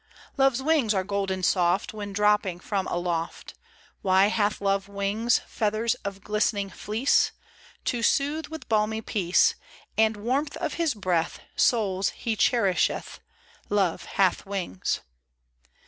Love's wings are golden soft. When dropping from aloft. Why hath Love wings, Feathers of glistening fleece ? To soothe with balmy peace, And warmth of his breath Souls he cherisheth Love hath wings.